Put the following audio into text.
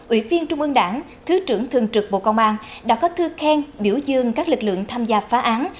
ủy viên trung ương đảng thứ trưởng thường trực bộ công an đã có thư khen biểu dương các lực lượng tham gia phá án